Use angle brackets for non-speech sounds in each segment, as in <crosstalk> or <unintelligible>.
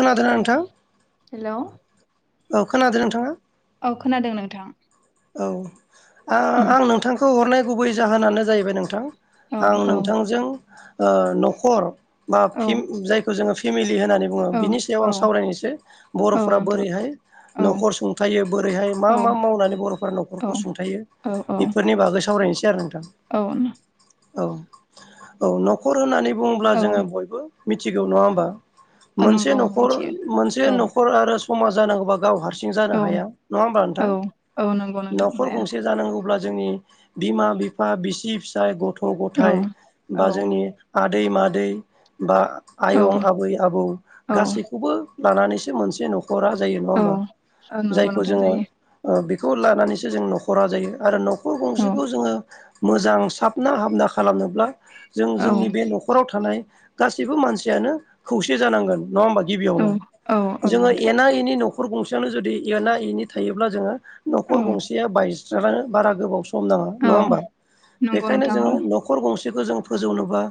खोनादोना नोंथां? हेलौ औ खोनादो नोंथाङा? औ खोनादों नोंथां। औ आ उम आं नोंथांखौ हरनाय गुबै जाहोनानो जाहैबाय नोंथां औ आं औ नोंथांजों ओ न'खर बा औ फिम जायखौ जोङो फिमिलि लि होननानै बुङो औ बिनि सायाव आं औ सावरायनोसै औ बर'फोरा नोंथां बोरैहाय औ न'खर सुंथायो बोरैहाय मा औ मा मावनानै बर'फोरा औ न'खरखौ सुंथायो औ बेफोरनि बागै सावरायनोसै आरो नों औ नो औ औ न'खर होननानै बुङोब्ला औ जोङो बयबो मिथिगौ नङा होमबा औ मोनसे नंगौ नखर मिथियो मोनसे औ न'खर आरो समाज जानांगोबा गाव हारसिं जानो औ हाया नङा होमबा औ नोंथां? औ नंगौ नोंथां न'खर हाया गंसे जानांगौब्ला जोंनि बिमा बिफा बिसि फिसाय गथ' गथ' औ गथाय औ बा जोंनि आदै मादै बा औ आयं आबै आबौ औ गासैखौबो लानानैसो मोनसे न'ख खरा जायो नङा औ होमबा औ नंगौ जायखौ नोंथां जोङो जायो ओ बि लानानैसो जों न'खरा जायो आरो न'खर औ गंसेखौ जोङो मोजां साफ ना हामना खालामनोब्ला जों औ जोंनि बे न'खराव थानाय गासैबो मानसियानो खौसे जानांगोन नङा होमबा औ गिबियावनो औ औ जोङो नोंथां एना एनि न'खर न'खर गंसेयानो जुदि एना एनि थायोब्ला जोङो औ न'खर गंसेया बायस्राङो बारा गोबाव सम सम नाङा औ नङा होनबा नंगौ बेनिखायनो नोंथां औ जोङो न'खर गंसे खौ जों फोजौनोबा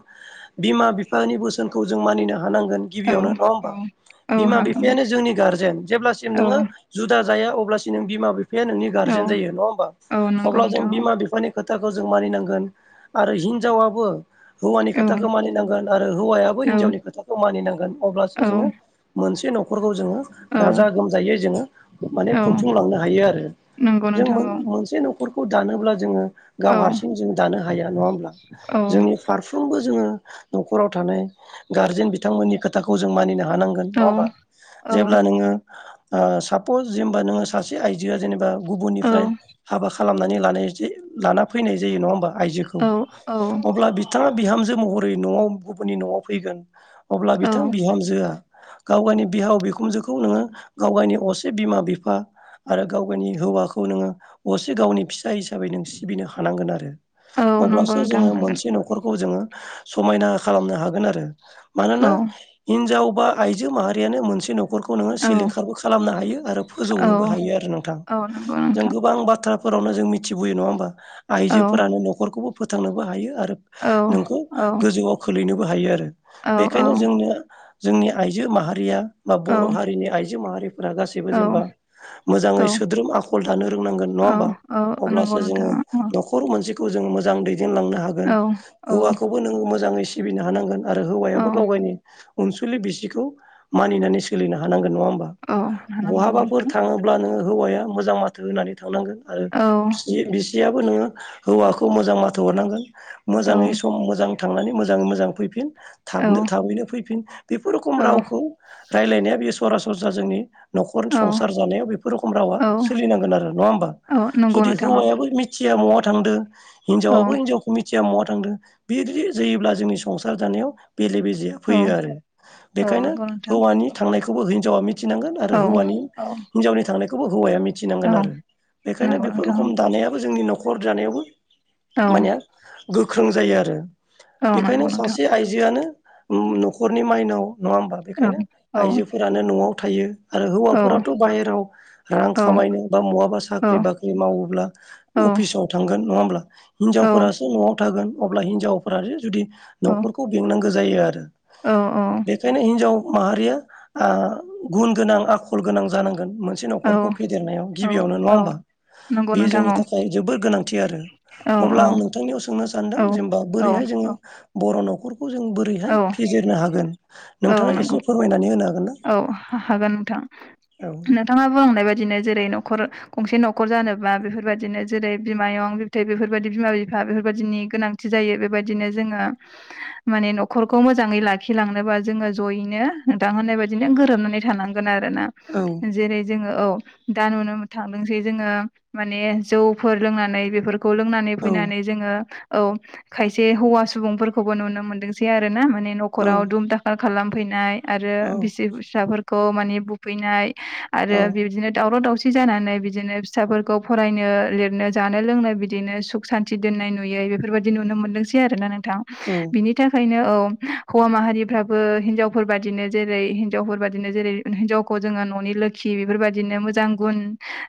बिमा बिफानि बोसोनखौ जों मानिनो हाग हानांगोन औ गिबियावनो नङाहोमबा, औ औ बिमा हागोन बिफायानो जोंनि गारजेन जेब्लासिम औ नोङो जुदा जाया अब्लासिम बिमा बिफाया नोंनि औ गारजेन जायो नङा होमबा औ नंगौ अब्ला जों नोंथां बिमा बिफानि खोथाखौ जों मानिनांगोन आरो हिनजावाबो हौवानि औ खोथाखौ मानिनांगोन आरो हौवायाबो औ हिनजावनि खोथाखौ मानिनांगोन अब्लासो जोंङो मोनसे न खरखौ जोङो औ औ गाजा गोमजायै जोंङो माने औ खुंफुंलांनो हायोआरो नंगौ जों नोंथां औ मोनसे न'खरखौ दानोब्ला जोंङो गाव औ हारसिं जों दानो हाया नङा होमब्ला जोंनि औ फारफ्रोमबो जोंङो न'खराव थानाय गारजेन बिथांमोननि खोथाखौ जों मानिनां हानांगोन औ नङाहोमबा औ जेब्ला नोङो ओ सापपस जे होनबा नों आयजो आ जेनेबा औ गुबुननिफ्राय हाबा खालामनानै लानाय लाना फैनाय जायो नङा होमबा। आयजोखौ औ अब्ला बिथाङा बिहामजो महरै न'आव गुबुननि न'आव फैगोन अब्ला औ बिथां बिहामजोआ गाव गावनि बिहाव बिखुनजोखौ नोङो गाव गावनि असे बिमा बिफा आरो गाव गावनि हौवाखौ नोङो असे गावनि फिसा य हिसाबै नों सिबिनो हानांगोन आरो औ नंगौ अब्लासो नोंथां जोंङो होनांगोन मोनसे न'खरखौ जोंङो समायना खालामनो हागोन आरो मानोना औ हिन्जाव बबा आइजो माहारियानो मोनसे न'खरखौ नोङो औ सिलिंखारबो खालामनो हायो आरो औ फोजौनोबो हायोआरो। नोंथां औ नंगौ जों नोंथां गोबां बाथ्राफोरावनो जों मिथिबोयो नङाहोमबा औ आइजोफोरानो न'खरखौबो फोथांनोबो हायो आरो औ नोंखौ औ गोजौआव खोलैनोबो हायोआरो। औ औ बेखायनो जोंनो जोंनि आइजो माहारिया बा बर' हारिनि आइजो माहारि फोर गासिबो औ जेनेबा औ सोद्रोम आखल दानो रोंनांगोन नङा होमबा औ नंगौ अब्लासो नोंथां जोङो न'खर मोनसे खौ जों मोजां दै देनलांनो हागोन औ औ हौवाखौबो नों मोजाङै सिबिनो हानांगोन आरो औ हौवायाबो गाव गावनि अनसुलि बिसिखौ मानिनानै सोलिनो हानांगोन नङा होमबा औ हानांगौ बहाबाफोर नोंथां थाङोबा। नोङो हौवाया मोजां माथो होनानै थांनांगोन आरो औ बिसि बिसियाबो नोङो हौवाखौ मोजां माथोहरनांगोन औ मोजाङै सम मोजाङै थांनानै मोजाङै मोजां फैफिन औ थाबनो थाबैनो फैफिन बेफोर रोखम रावखौ रायलायनाया बेयो सरासरस्रा जोंनि न'खर संसार जानायाव बेफोर रोखोम रावा औ सोलिनांगोन आरो नङा होमबा? औ नंगौ जुदि नोंथां हौवायाबो मिथिया महा थांदों औ हिनजावयाबो हौवाखौ मिथिया मवहा थांदों बिदि जायोब्ला जोंनि संसार जानायाव बेले बेजेया औ फैयो आरो औ बेखायनो नंगौ नोंथां हौवानि थांनायखौबो हिनजावा मिथिनांगोन आरो औ हौवानि हिनजावनि थांनायखौबो हौवाया -' मिथिनांगोन औ औ आरो बेखायनो नंगौ बेफोर नोंथां रखम दानायाबो जोंनि न'खर दानायावबो औ माने गोख्रों जायो आरो औ नंगौ बेखायनो नोंथां सासे आइजोआनो न'खरनि माइनाव नङा होमबा औ बेखायनो औ आइजोफोरानो न'आव थायो। आरो औ हौवाफोराथ' बाहेराव रां औ खामायनो बा बहाबा औ साख्रि बाख्रि मावोब्ला औ अफिसाव थांगोन नङा होमब्ला। औ हिनजावफोरासो न'आव थागोन अब्ला हिनजावफोरासो जुदि न'खरखौ बेंनांगौ जायो आरो। औ बेखायनो हिनजाव माहारिया ओ गुन गोनां आखल गोनां जानांगोन। मोन से औ न'खरखौ फेदेरनायाव औ गिबियावनो नङा औ होमबा नंगौ बे नोंथां जोंनि औ थाखाय जोबोर गोनांथि आरो। औ अब्ला आं नोंथांनियाव सोंनो सानदों औ जेनेबा औ बोरैहाय जोङो औ बर' न'खौ खौ जों बोरैहाय औ फेजेरनो हागोन औ नोंथाङा नंगौ एसे फोरमायनानै होनो हागोन? ना औ हागोन नोंथां औ नोंथाङा नों बुंलांनाय बादिनो जेरै न'खर गंसे न'खर जानोबा बेफोरबायदिनो जेरै बिमायं बिबथै बेफोरबायदि बिमा- बिफा बेफोरबायदिनि गोनांथि जायो बेबायदिनो जोङो माने नख'रखौ मोजाङै लाखि लांनोबा जोङो जयैनो नोंथां होननाय बाय दिनो गोरोबनानै थानांगोन आरो ना औ जेरै जोङो औ। दा नुनो मोन थांदोंसै जोङो माने जौफोर लोंनानै बेफोर खौ लोंनानै औ फैनानै जोङो औ खायसे हौवा सुबुंफोरखौबो नुनो मोनदोंसै आरो ना माने औ नख'राव दुम दाखाल खालामफैनाय आरो औ बिसि फिसाफोरखौ माने बुफैनाय आरो औ बिबदिनो दावराव- दावसि जानानै बिदिनो फिसाफोरखौ फरायनो लिरनो जानो लोंनो बिदिनो सुख सान्थि दोननाय नुयै नै बेफोरबादि नुनो मोनदोंसै आरो ना नों थां औ बिनि थाखायनो औ हौवा माहारिफ्राबो हिनजावफोर बादिनो जेरै हिन जावफोर बादिनो जेरै हिनजावखौ जोङो न'नि लोखि बेफोरबायदिनो मोजां गुन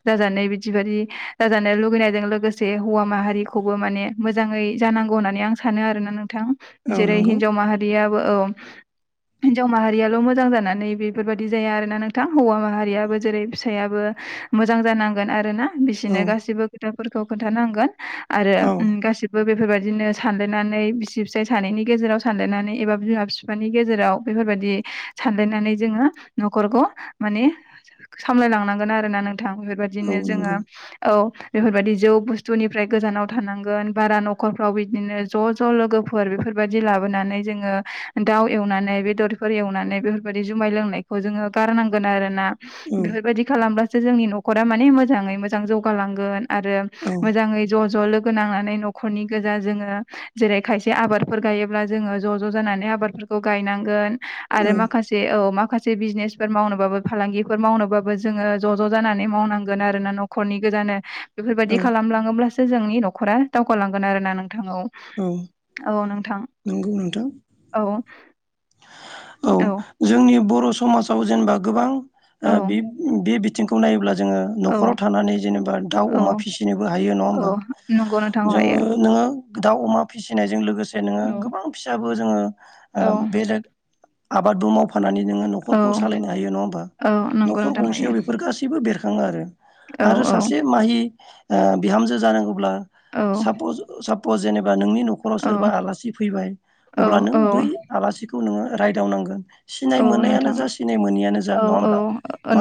जाजानाय बिदि बा दि जाजानो लुुगैनायजों लोगोसे हौवा माहारिखौबो माने मोजाङै जानांगौ होननानै आं सानो आरोना नों थां औ जेरै नंगौ हिनजाव माहारियाबो औ हिनजाव माहारियाल' मोजां जाना नै बेफोरबादि जाया आरोना नोंथां हौवा माहारियाबो जेरै फिसायाबो मोजां जानांगोन आरोना। औ बिसोरनो गासिबो खोथाफोरखौ खोन्थानांगोन आरो औ ओम गासिबो बे फोरबायदिनो सानलायनानै बिसि फिसाय सानैनि गेजेराव सानलायनानै एबा बिमा बिफानि गेजेराव बेफोरबाय दि सानलायनानै जोङो नख'रखौ माने सामलाय लांनांगोन आरोना नों थां औ बेफोरबायदिनो जोङो नंगौ औ। बेफोरबायदि जौ बुस्थुनिफ्राय गोजानाव थानांगोन बारा नख'रफ्राव बिदिनो ज' ज' लोगोफोर बेफोर बायदि लाबोनानै जोङो दाउ एवनानै बेदरफोर एवनानै बेफोरबाय दि जुमाय लोंनायखौ जोङो गारनांगोन आरोना। औ बेफोरबायदि खालामब्ला सो जोंनि नख'रा माने मोजाङै मोजां जौगा लांगोन आरो औ मोजाङै ज' ज' लोगो नांनानै न'खरनि गोजा जोङो जेरै खायसे आबादफोर गायोब्ला जोङो ज' ज' जानानै आबादफोरखौ गायनांगोन आरो औ मा ए औ माखासे बिजनेसफोर मावनोबाबो फालांगिफोर मावनोबाबो जोङो ज' ज' जानानै मावनांगोन आरोना ना नख खरनि गोजानो बेफोरबायदि औ खालामलाङोब्लासो जोंनि न'खरा दावगालांगोन आरोना नों थां औ औ नोंथां नंगौ नोंथां औ। औ जोंनि बर' समाजाव जेनेबा गोबां ओ औ बे बे बि थिंखौ नायोब्ला जोङो औ न'खराव थानानै जेनेबा दाउ, औ अमा फिसिनोबो हायो नङा औ होमबा। नंगौ नोंथां हायो जोङो नोङो दाउ अमा फिसिनायजों लोगोसे नोङो औ गोबां फिसाबो जोङो औ। <unintelligible> आबादबो माव फानानै नोङो औ न'खरखौ सालायनो हायो नङा होमबा? औ नंगौ न'खर नोंथां हायो गंसेयाव बेफोर गासैबो बेरखाङो आरो। औ आरो औ सासे माहि ओ बिहामजो जानांगौब्ला औ सापस सा <unintelligible> जेनेबा नोंनि न'खराव सोरबा आलासि फैबाय औ अब्ला नों औ बै आसिखौ नोङो रायदावनांगोन। सिनाय औ मोननायानो नोंथां जा सिनाय मोनैयानो जा औ नङा औ होमबा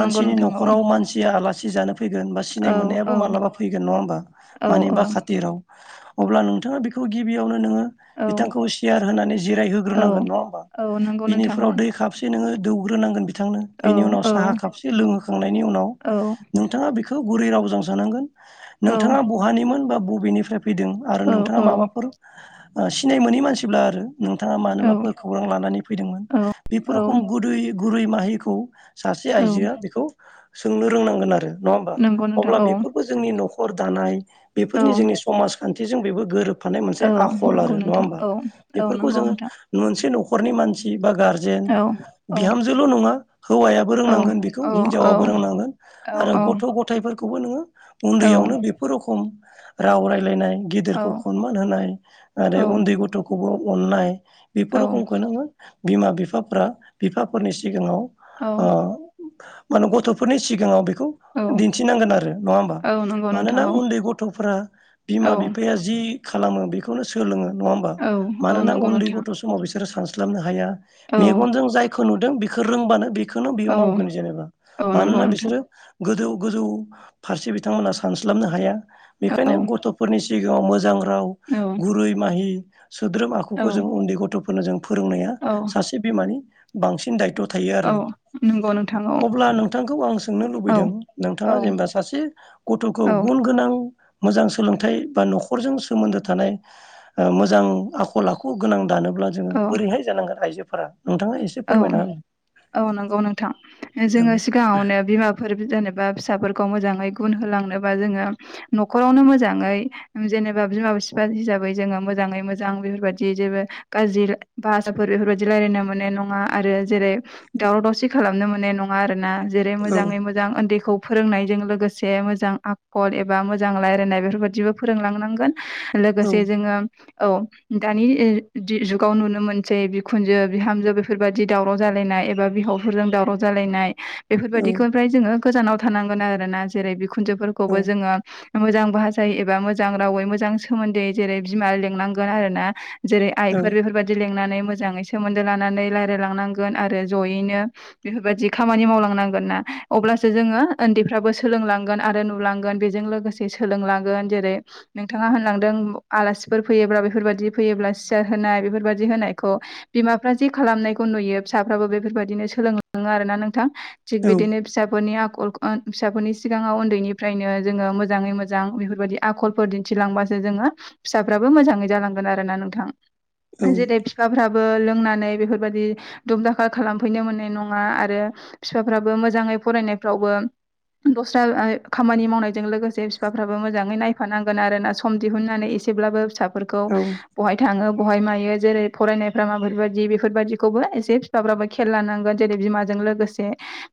नंगौ नोंथां औ न'खराव मानसिया आलासि जानो फैगोन बा सिनाय औ मोननायाबो औ मालाबा फैगोन नङा होमबा औ मानिबा खाथिराव अब्ला नोंथाङा बेखौ गिबियावनो नोङो औ बिथांखौ सियार होनानै जिरायहो औ ग्रोनांगोन नङा होमबा? औ नंगौ नोंथां औ बिनिफोराव दै खापसे नोङो दौग्रोनांगोन बिथांनो औ बेनि उनाव औ साहा कापसे लोंहोखांनायनि उनाव औ नोंथाङा बे खौ गुरै रावजों सोंनांगोन औ नोंथाङा बहानिमोन बा बबेनिफ्राय फैदों आरो नोंथाङा माबाफोर ओ सिनाय मोनि मानसिब्ला आरो नों ओ मानोबाफोर खौरां लानानै फैदोंमोन? औ बेफोर रखम गुरै गुरै माहिखौ सासे औ आइजोआ बेखौ सोंनो रोंनांगोन आरो नङा होमबा नंगौ नोंथां अब्ला औ बेफोरबो जोंनि न' खर दानाय बेफोरनि जोंनि समाजखान्थिजों बेबो गोरोब फानाय औ मोनसे आखल नंगौ आरो नङा नोंथां होमबा। औ बेफोरखौ नंगौ जोङो नोंथां मोनसे न'खरनि मानसि बा गारजेन औ औ बिहामजोल' नङा हौवायाबो रोंनांगोन बेखौ औ हिनजावाबो रोंनांगोन औ आरो गथ' गथायफोर खौबो नोङो औ उन्दैयावनो बेफोर रखम राव रायलायनाय औ गेदिरखौ खनमान होनाय आरो औ उन्दै गथ'खौबो अननाय बेफोर औ रखमखौ नोङो बिमा बिफाफ्रा बिफाफोरनि सिगाङाव ओ औ मानो गथ'फोरनि सिगाङाव बे बेखौ औ दिन्थिनांगोन आरो नङा होमबा? औ नंगौ मानोना नोंथां औ उन्दै गथ'फोरा बिमा औ बिफाया जि खालामो बेखौनो सोलोङो। नङा होमबा? औ औ मानोना नंगौ उन्दै नोंथां गथ अ बिसोरो सानब्लाबनो हाया औ मेगनजों जायखौ नुदों बेखो रोंबानो बे बेखौनो बियो औ मावगोन जेनेबा औ नंगौ मानोना नोंथां बिसोरो गोदौ गोजौ फारसे बिथांमोना सानस्लाबनो हाया बेखायनो औ गथ'फोरनि सि सिगाङाव मोजां राव औ गुरै माहि सोद्रोम आखुखौ औ जों उन्दै गथ'फोरनो जों फोरोंनाया औ सासे बिमानि बांसिन दायथ'। थायो आरो औ नंगौ नोंथां औ। अब्ला नोंथांखौ आं सोंनो औ लुबैदों नोंथाङा औ जेनेबा सासे गथ'खौ गुन औ गोनां मोजां सोलोंथाइ बा न'खरजों सोमोन्दो थानाय ओ मोजां आखल आखु गोनां दानो अब्ला जोङो बोरैहाय जानांगोन आइजोफोरा? नोंथाङा एसे औ फोरमायना होलाय औ नंगौ नोंथां औ जोङो सिगाङावनो बिमाफोर बि नोबा फिसाफोरखौ मोजाङै गुन होलांनोबा जोङो न'खरावनो मोजाङै जेनोबा बि बिमा बिफा हिसाबै जोङो मोजाङै मोजां बेफोरबायदि जेबो गाज्रि भाषाफोर बेफोरबायदि रायलायनो मोननाय नं ङा आरो जेरै दावराव दावसि खालामनो मोननाय नङा आरोना जेरै मोजाङै मोजां उन्दैखौ फोरोंनायजों लोगोसे मोजां आखल एबा मोजां रायलायनाय बेफोरबायदिबो फोरोंलांनांगोन। औ लोगोसे जोङो औ दानि इ जु-जुगाव नुनो मोनसै बिखुनजो बिहामजो बेफोर बेफोरबादि दावराव जालायनाय एबा बिहावफोरजों दावराव जालायनाय बेफोरबादिखौ ओमफ्राय जोङो‌ ‌ गोजानाव थानांगोन आरो ना जेरै बिखुनजोफोरखौबो जोङो मोजां भाषायै एबा मोजां रावै मोजां सोमोन्दोयै जेरै बिमा लेंनांगोन आरो ना। जेरै आइफोर औ बेफोरबादि लेंनानै मोजाङै सोमोन्दो लानानै रायलाय‌ लांनांगोन आरो ज'यैनो बेफोरबादि खामानि मावलांनांगोनना अब्लासो जोङो ओन्दै फ्राबो सोलोंलांगोन आरो नुलांगोन बेजों लोगोसे सोलोंलांगोन जेरै नोंथाङा होनलांदों आलासिफोर फैयोब्ला बेफोरबादि फैयोब्ला सियार होनाय बेफोरबादि होनायखौ बिमाफ्रा जे खालामनायखौ खौ नुयो फिसाफ्राबो बेफोरबायदिनो सोलोंलाङो आरो ना नोंथां थिग बिदिनो फिसाफोरनि आखु फिसाफोरनि सिगाङाव उन्दैनिफ्रायनो जोङो मोजाङै मोजां बेफोरबादि आखलफोर दिन्थिलांबासो जोङो फिसाफ्राबो मोजाङै जालांगोन आरोना नोंथां। औ जेरै बिफाफ्राबो लोंनानै बेफोरबादि दुमदाखाल खालामफैनो मोननाय नङा आरो फिफाफ्राबो मोजाङै फरायनायफ्रावबो दस्रा खामानि मावनायजों लोगोसे फिफाफ्राबो मोजाङै नायफानांगोन आरोना सम दिहुननानै एस एसेब्लाबो फिसाफोरखौ औ बहाय थाङो बहाय मायो जेरै फरायनायफ्रा माफोरबादि बेफोरबादि खौबो एसे फिफाफ्राबो खेल लानांगोन जेरै बिमाजों लोगोसे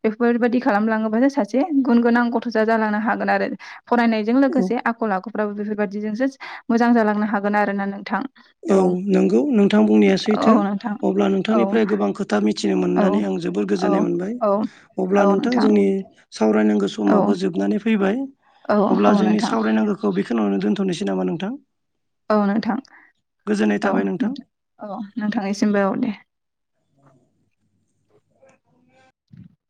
बेफोरबादि खालामलाङोबानो सासे गुन गोनां गथ'सा जालांनो हागोन आरो। फरायनायजों लोगोसे आखल आखुफ्राबो बेफोरबादिजोंसो मोजां जालांनो हागोन आरो ना नोंथां। औ नंगौ नोंथां बुंनाया सैथो औ नोंथां अब्ला औ नोंथांनिफ्राय गोबां खोथा मि मिथिनो औ मोननानै आं जोबोर औ गोजोननाय मोनबाय औ अब्ला नोंथां जोंनि सावरायनांगौ औ समाबो जोबनानै फैबाय औ अब्ला औ जोंनि नोंथां सावरायनांगौखौ बेखिनियावनो दोनथ'नोसै। नामा नोंथां। औ नोंथां गोजोननाय औ थाबाय नां नोंथां औ नोंथांनिसिमबो औ दे। <inaudible>